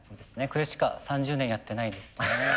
これしか３０年やってないですね。